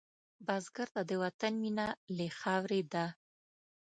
بزګر ته د وطن مینه له خاورې ده